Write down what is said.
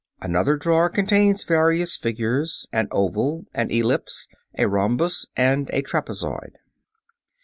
] (5) Another drawer contains various figures: an oval, an ellipse, a rhombus, and a trapezoid.